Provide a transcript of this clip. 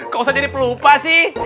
gak usah jadi pelupa sih